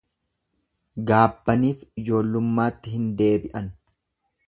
Gaabbanif ijoollummaatti hin deebi'an.